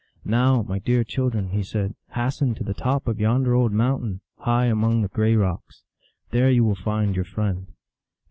" Now, my dear children," he said, u hasten to the top of yonder old mountain, high among the gray rocks. There you will find your friend."